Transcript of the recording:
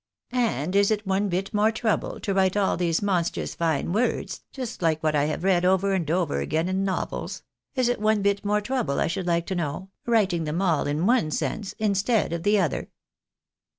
— and is it one bit more trouble to write all these monstrous fine words, just like what I have read over and over again in novels, — is it one bit more trouble I should like to know, writing them all in one sense instead of the other